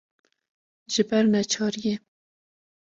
ji ber neçariyê